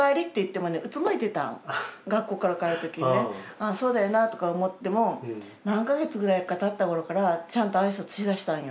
ああそうだよなとか思っても何か月ぐらいかたった頃からちゃんと挨拶しだしたんよ。